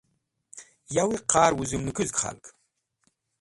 Yawi qar wẽzũmnẽkũzg k̃halg.